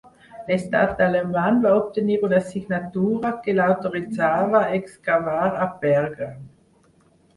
L'Estat alemany va obtenir una signatura que l'autoritzava a excavar a Pèrgam.